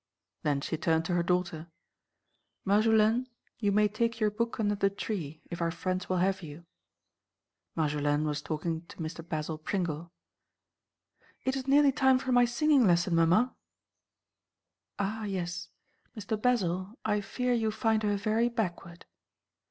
Then she turned to her daughter. "Marjolaine, you may take your book under the tree, if our friends will have you." Marjolaine was talking to Mr. Basil Pringle. "It is nearly time for my singing lesson, Maman." "Ah, yes. Mr. Basil, I fear you find her very backward."